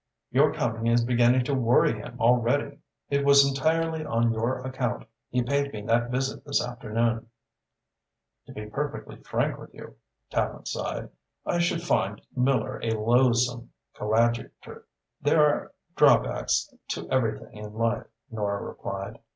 Your coming is beginning to worry him already. It was entirely on your account he paid me that visit this afternoon." "To be perfectly frank with you," Tallente sighed, "I should find Miller a loathsome coadjutor." "There are drawbacks to everything in life," Nora replied.